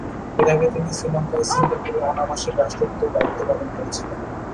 এর আগে তিনি শ্রীলঙ্কায় সিঙ্গাপুরের অনাবাসিক রাষ্ট্রদূতের দায়িত্ব পালন করেছিলেন।